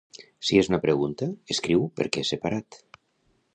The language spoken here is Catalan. Si és una pregunta, escriu per què separat